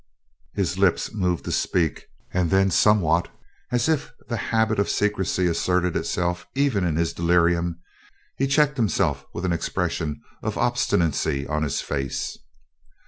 '" His lips moved to speak, and then somewhat as if the habit of secrecy asserted itself even in his delirium, he checked himself with an expression of obstinacy on his face.